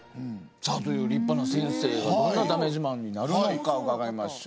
さあという立派な先生がどんなだめ自慢になるのか伺いましょう。